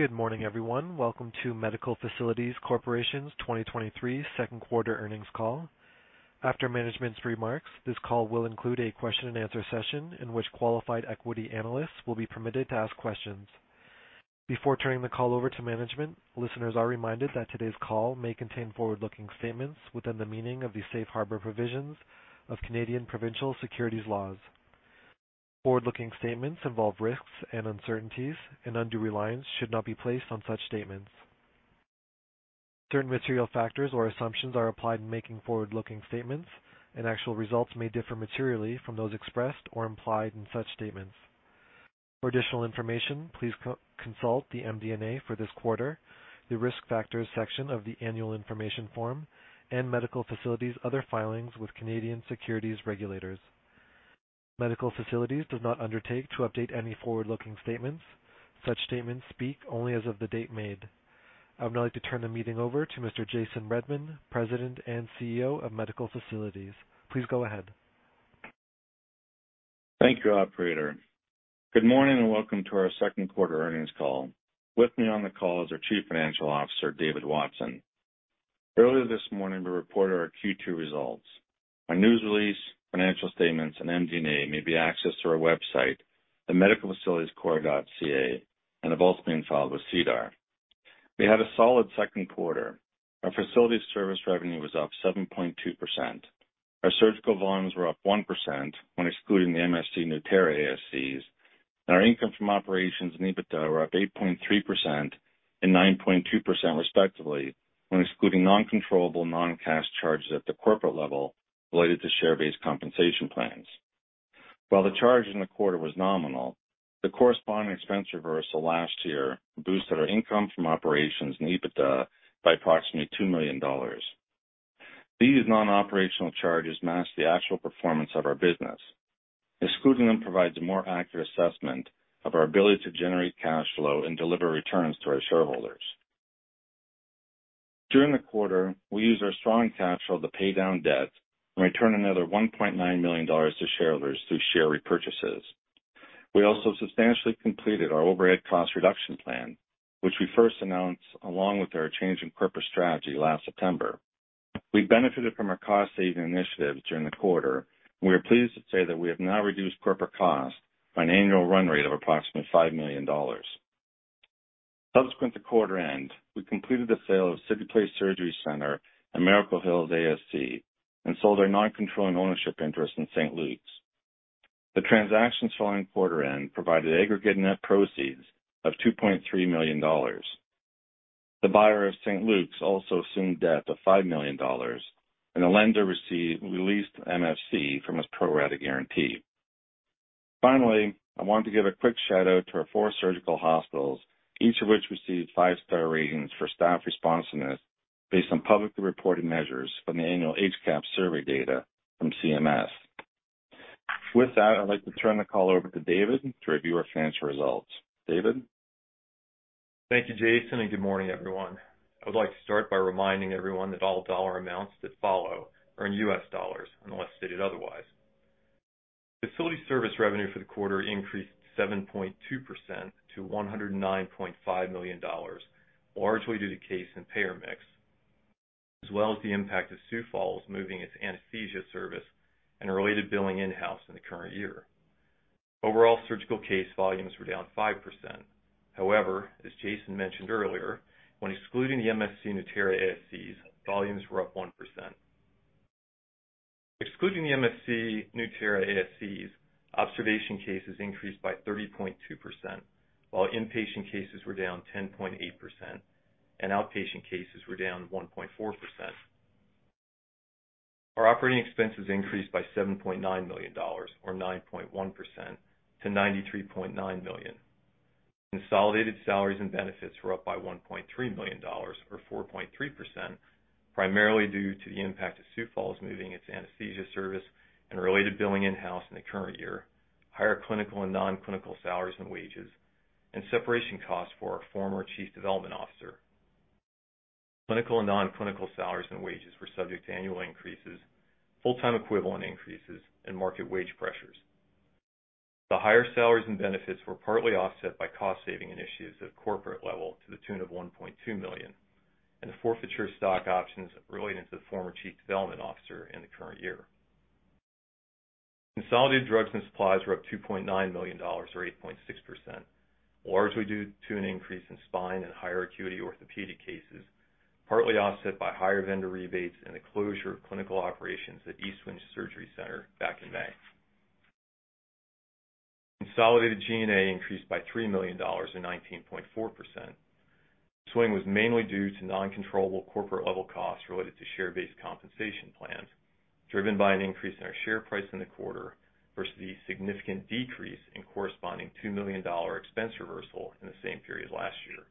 Good morning, everyone. Welcome to Medical Facilities Corporation's 2023 second quarter earnings call. After management's remarks, this call will include a question and answer session in which qualified equity analysts will be permitted to ask questions. Before turning the call over to management, listeners are reminded that today's call may contain forward-looking statements within the meaning of the safe harbor provisions of Canadian provincial securities laws. Forward-looking statements involve risks and uncertainties. Undue reliance should not be placed on such statements. Certain material factors or assumptions are applied in making forward-looking statements. Actual results may differ materially from those expressed or implied in such statements. For additional information, please co-consult the MD&A for this quarter, the Risk Factors section of the Annual Information Form, Medical Facilities other filings with Canadian Securities Administrators. Medical Facilities does not undertake to update any forward-looking statements. Such statements speak only as of the date made. I would now like to turn the meeting over to Mr. Jason Redman, President and CEO of Medical Facilities. Please go ahead. Thank you, Operator. Good morning, and welcome to our second quarter earnings call. With me on the call is our Chief Financial Officer, David Watson. Earlier this morning, we reported our Q2 results. Our news release, financial statements, and MD&A may be accessed through our website, the medicalfacilitiescorp.ca, and have also been filed with SEDAR. We had a solid second quarter. Our facilities service revenue was up 7.2%. Our surgical volumes were up 1% when excluding the MFC Nueterra ASCs, and our income from operations and EBITDA were up 8.3% and 9.2%, respectively, when excluding non-controllable non-cash charges at the corporate level related to share-based compensation plans. While the charge in the quarter was nominal, the corresponding expense reversal last year boosted our income from operations and EBITDA by approximately $2 million. These non-operational charges match the actual performance of our business. Excluding them provides a more accurate assessment of our ability to generate cash flow and deliver returns to our shareholders. During the quarter, we used our strong cash flow to pay down debt and returned another $1.9 million to shareholders through share repurchases. We also substantially completed our overhead cost reduction plan, which we first announced, along with our change in corporate strategy last September. We benefited from our cost-saving initiatives during the quarter. We are pleased to say that we have now reduced corporate costs by an annual run rate of approximately $5 million. Subsequent to quarter end, we completed the sale of City Place Surgery Center and Miracle Hills ASC and sold our non-controlling ownership interest in St. Luke's. The transactions following quarter end provided aggregate net proceeds of $2.3 million. The buyer of St. Luke's also assumed debt of $5 million, and the lender released MFC from his pro rata guarantee. Finally, I want to give a quick shout-out to our four surgical hospitals, each of which received five-star ratings for staff responsiveness based on publicly reported measures from the annual HCAHPS survey data from CMS. With that, I'd like to turn the call over to David to review our financial results. David? Thank you, Jason, good morning, everyone. I would like to start by reminding everyone that all dollar amounts that follow are in US dollars unless stated otherwise. Facility service revenue for the quarter increased 7.2% to $109.5 million, largely due to case and payer mix, as well as the impact of Sioux Falls moving its anesthesia service and related billing in-house in the current year. Overall, surgical case volumes were down 5%. However, as Jason mentioned earlier, when excluding the MFC Nueterra ASCs, volumes were up 1%. Excluding the MFC Nueterra ASCs, observation cases increased by 30.2%, while inpatient cases were down 10.8% and outpatient cases were down 1.4%. Our operating expenses increased by $7.9 million, or 9.1% to $93.9 million. Consolidated salaries and benefits were up by $1.3 million, or 4.3%, primarily due to the impact of Sioux Falls moving its anesthesia service and related billing in-house in the current year, higher clinical and non-clinical salaries and wages, and separation costs for our former Chief Development Officer. Clinical and non-clinical salaries and wages were subject to annual increases, full-time equivalent increases, and market wage pressures. The higher salaries and benefits were partly offset by cost saving initiatives at corporate level to the tune of $1.2 million, and the forfeiture of stock options relating to the former Chief Development Officer in the current year. Consolidated drugs and supplies were up $2.9 million or 8.6%, largely due to an increase in spine and higher acuity orthopedic cases, partly offset by higher vendor rebates and the closure of clinical operations at Eastwind Surgery Center back in May. Consolidated G&A increased by $3 million, or 19.4%. Swing was mainly due to non-controllable corporate level costs related to share-based compensation plans, driven by an increase in our share price in the quarter versus the significant decrease in corresponding $2 million expense reversal in the same period last year.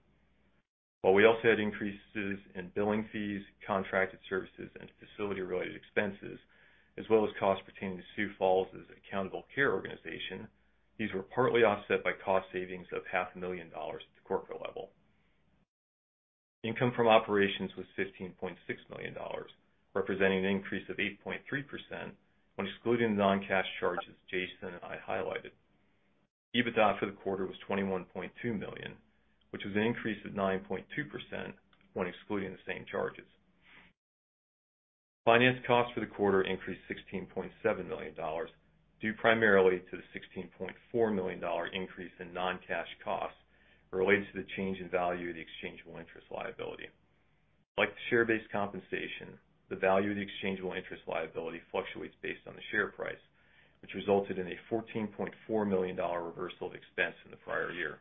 While we also had increases in billing fees, contracted services, and facility-related expenses, as well as costs pertaining to Sioux Falls' Accountable Care Organization, these were partly offset by cost savings of $500,000 at the corporate level.... Income from operations was $15.6 million, representing an increase of 8.3% when excluding the non-cash charges Jason and I highlighted. EBITDA for the quarter was $21.2 million, which was an increase of 9.2% when excluding the same charges. Finance costs for the quarter increased $16.7 million, due primarily to the $16.4 million increase in non-cash costs related to the change in value of the exchangeable interest liability. Like share-based compensation, the value of the exchangeable interest liability fluctuates based on the share price, which resulted in a $14.4 million reversal of expense in the prior year.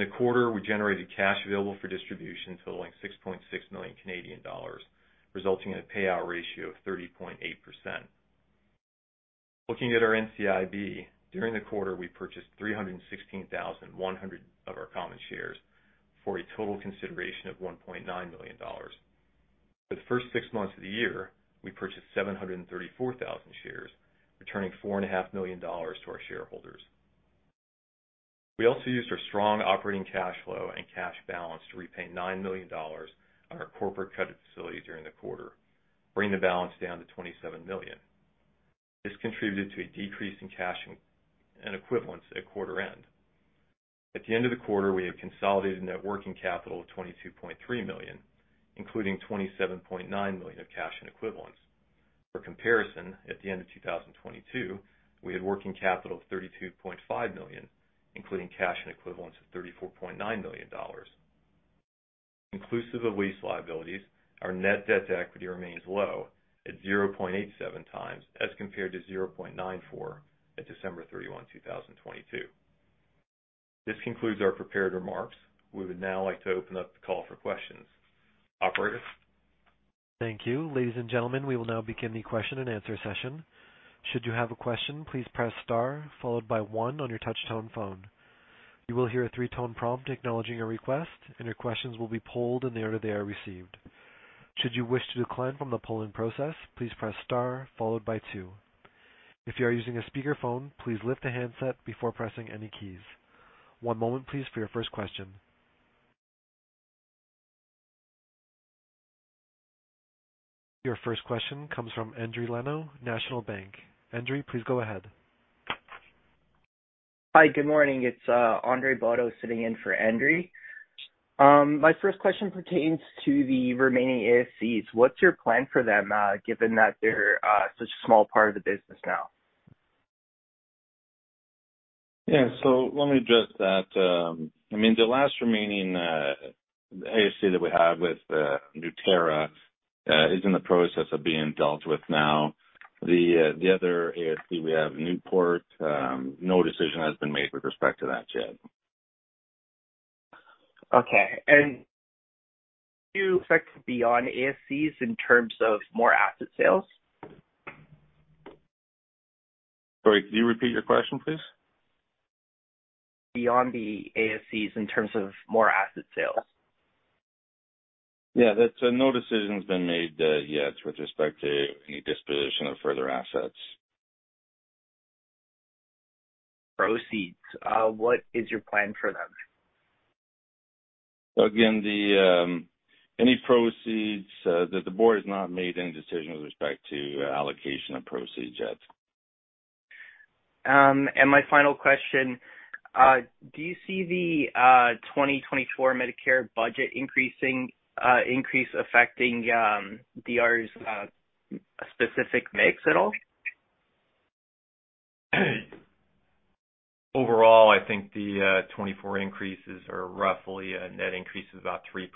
In the quarter, we generated cash available for distribution totaling 6.6 million Canadian dollars, resulting in a payout ratio of 30.8%. Looking at our NCIB, during the quarter, we purchased 316,100 of our common shares for a total consideration of $1.9 million. For the first six months of the year, we purchased 734,000 shares, returning $4.5 million to our shareholders. We also used our strong operating cash flow and cash balance to repay $9 million on our corporate credit facility during the quarter, bringing the balance down to $27 million. This contributed to a decrease in cash and equivalents at quarter end. At the end of the quarter, we had consolidated net working capital of $22.3 million, including $27.9 million of cash and equivalents. For comparison, at the end of 2022, we had working capital of $32.5 million, including cash and equivalents of $34.9 million. Inclusive of lease liabilities, our net debt to equity remains low at 0.87 times as compared to 0.94 at December 31, 2022. This concludes our prepared remarks. We would now like to open up the call for questions. Operator? Thank you. Ladies and gentlemen, we will now begin the question and answer session. Should you have a question, please press star followed by one on your touchtone phone. You will hear a three-tone prompt acknowledging your request, and your questions will be polled in the order they are received. Should you wish to decline from the polling process, please press star followed by two. If you are using a speakerphone, please lift the handset before pressing any keys. One moment, please, for your first question. Your first question comes from Andre Bodo, National Bank. Andre, please go ahead. Hi, good morning. It's Andre Bodo sitting in for Andre Bodo. My first question pertains to the remaining ASCs. What's your plan for them, given that they're such a small part of the business now? Yeah. Let me address that. I mean, the last remaining ASC that we have with Nueterra is in the process of being dealt with now. The other ASC, we have Newport. No decision has been made with respect to that yet. Okay. Do you expect beyond ASCs in terms of more asset sales? Sorry, can you repeat your question, please? Beyond the ASCs in terms of more asset sales? Yeah, that's, no decision's been made, yet with respect to any disposition of further assets. Proceeds. What is your plan for them? Again, the, any proceeds, the, the board has not made any decision with respect to allocation of proceeds yet. My final question, do you see the 2024 Medicare budget increasing, increase affecting, DRGs, specific mix at all? Overall, I think the 2024 increases are roughly a net increase of about 3%.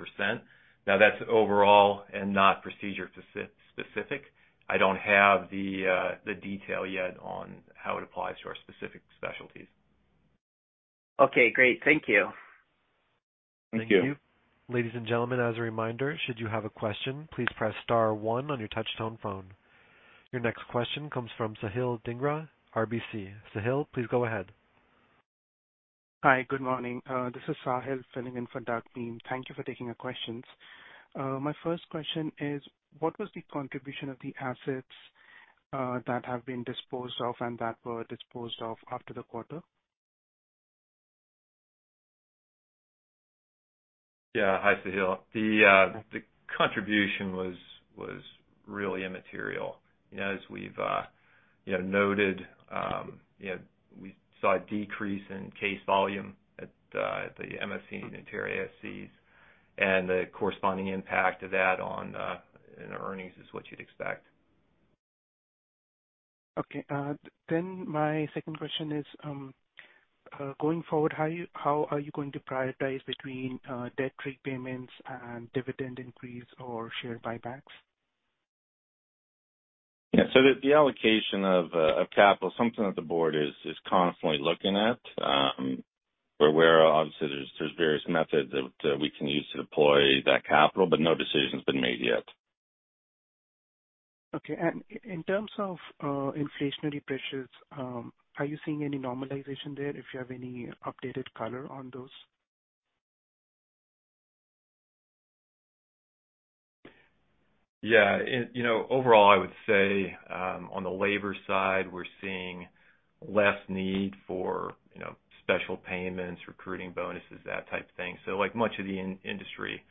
Now, that's overall and not procedure speci-specific. I don't have the detail yet on how it applies to our specific specialties. Okay, great. Thank you. Thank you. Ladies and gentlemen, as a reminder, should you have a question, please press star one on your touchtone phone. Your next question comes from Sahil Dhingra, RBC. Sahil, please go ahead. Hi, good morning. This is Sahil filling in for Douglas Miehm. Thank you for taking our questions. My first question is: What was the contribution of the assets that have been disposed of and that were disposed of after the quarter? Yeah. Hi, Sahil. The, the contribution was, was really immaterial. You know, as we've, you know, noted, you know, we saw a decrease in case volume at the, at the MFC Nueterra ASCs, and the corresponding impact of that on, in the earnings is what you'd expect. Okay. My second question is: Going forward, how are you going to prioritize between debt repayments and dividend increase or share buybacks? Yeah. The, the allocation of capital is something that the board is, is constantly looking at. We're aware obviously there's, there's various methods that, that we can use to deploy that capital, but no decision's been made yet. Okay. In terms of inflationary pressures, are you seeing any normalization there, if you have any updated color on those? Yeah, and you know, overall, I would say, on the labor side, we're seeing less need for, you know, special payments, recruiting bonuses, that type of thing. Like much of the in- industry,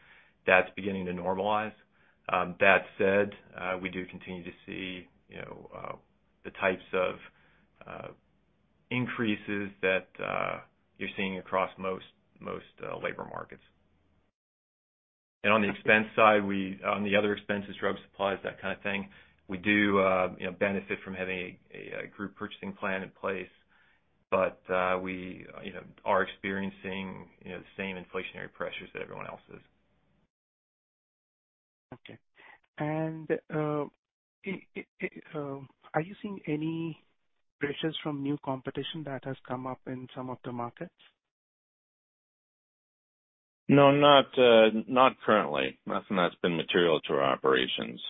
that's beginning to normalize. That said, we do continue to see, you know, the types of, increases that, you're seeing across most, most, labor markets. On the expense side, we, on the other expenses, drug supplies, that kind of thing, we do, you know, benefit from having a, a group purchasing plan in place. We, you know, are experiencing, you know, the same inflationary pressures that everyone else is. Okay. Are you seeing any pressures from new competition that has come up in some of the markets? No, not, not currently. Nothing that's been material to our operations.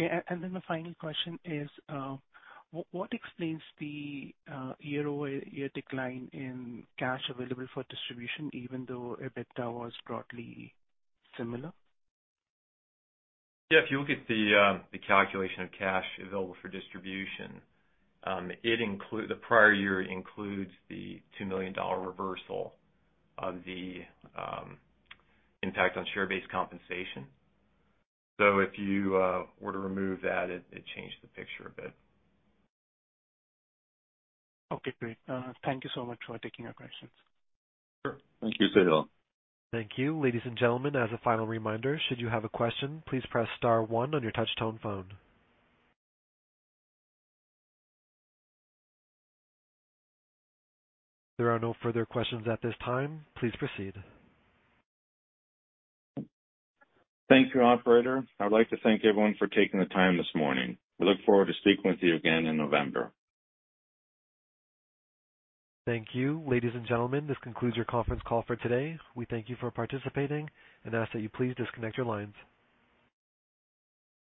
Okay, the final question is, what explains the year-over-year decline in cash available for distribution, even though EBITDA was broadly similar? Yeah, if you look at the calculation of cash available for distribution, the prior year includes the $2 million reversal of the impact on share-based compensation. If you were to remove that, it changed the picture a bit. Okay, great. Thank you so much for taking our questions. Sure. Thank you, Operator. Thank you. Ladies and gentlemen, as a final reminder, should you have a question, please press star one on your touch-tone phone. There are no further questions at this time. Please proceed. Thank you, Operator. I'd like to thank everyone for taking the time this morning. We look forward to speaking with you again in November. Thank you. Ladies and gentlemen, this concludes your conference call for today. We thank you for participating and ask that you please disconnect your lines.